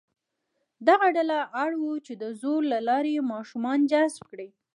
دغه ډله اړ وه چې د زور له لارې ماشومان جذب کړي.